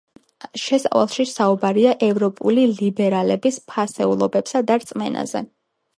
შესავალში საუბარია ევროპელი ლიბერალების ფასეულობებსა და რწმენაზე.